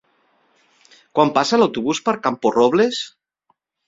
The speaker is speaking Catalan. Quan passa l'autobús per Camporrobles?